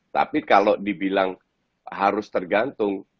tapi kalau dibilang harus tergantung